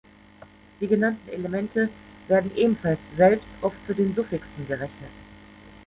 Die genannten Elemente werden ebenfalls selbst oft zu den Suffixen gerechnet.